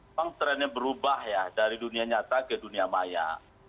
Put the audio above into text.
memang trennya berubah ya dari dunia nyata ke dunia maya